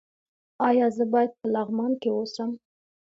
ایا زه باید په لغمان کې اوسم؟